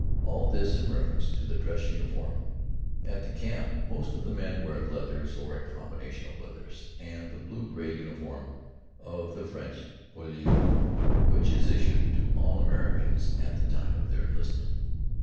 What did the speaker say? All this in reference to the dress uniform. At the camp most of the men wear leathers, or a combination of leathers and the gray blue uniform of the French poilu, which is issued to all Americans at the time of their enlistment.